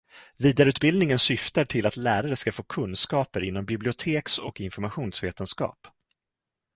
Vidareutbildningen syftar till att lärare ska få kunskaper inom biblioteks- och informationsvetenskap.